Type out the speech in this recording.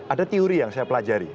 ada teori yang saya pelajari